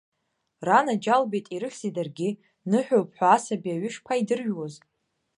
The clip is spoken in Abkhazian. Ранаџьалбеит, ирыхьзеи даргьы, ныҳәоуп ҳәа асаби аҩы шԥаидыржәуаз!